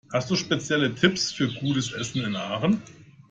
Hast du spezielle Tipps für gutes Essen in Aachen?